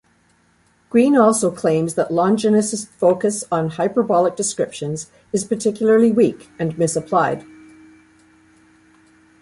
Greene also claims that Longinus' focus on hyperbolical descriptions is particularly weak, and misapplied.